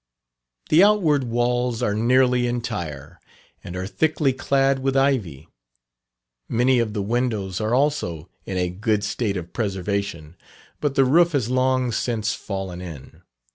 The outward walls are nearly entire, and are thickly clad with ivy. Many of the windows are also in a good state of preservation; but the roof has long since fallen in.